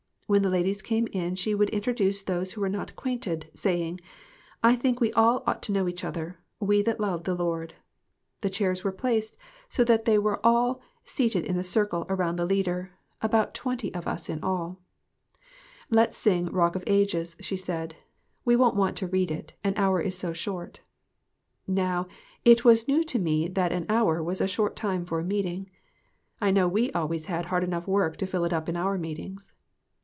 When the ladies came in she would introduce those who were not acquainted, saying "I think we all ought to know each other we that love the Lord." The chairs were placed so that we were all GOOD BREAD AND GOOD MEETINGS. 33 seated in a circle around the leader about twenty of us in all. "Let's sing 'Rock of Ages,'" she said. "We won't wait to read it ; an hour is so short." Now, it was new to me that an hour was a short time for a meeting, I know we always had hard enough work to fill it up in our meetings.